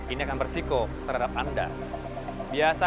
ini akan bersiko terhadap anda